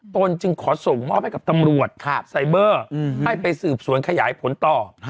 ตนจึงขอส่งมอบให้กับตำรวจไซเบอร์ให้ไปสืบสวนขยายผลต่อ